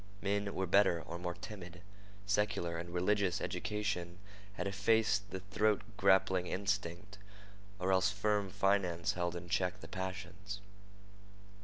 Men were better, or more timid. Secular and religious education had effaced the throat grappling instinct, or else firm finance held in check the passions.